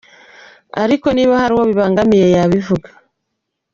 Ariko niba hari uwo bibangamiye yabivuga”.